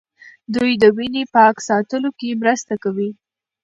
دوی د وینې پاک ساتلو کې مرسته کوي.